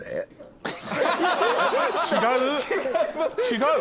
違う？